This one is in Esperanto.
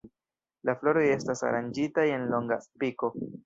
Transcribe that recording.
La floroj estas aranĝitaj en longa spiko.